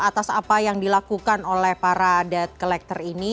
atas apa yang dilakukan oleh para debt collector ini